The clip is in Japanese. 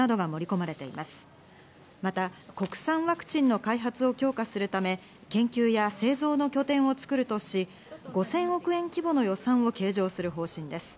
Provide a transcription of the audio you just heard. また国産ワクチンの開発を強化するため、研究や製造の拠点を作るとし、５０００億円規模の予算を計上する方針です。